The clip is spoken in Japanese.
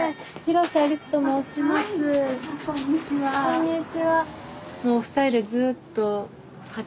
こんにちは。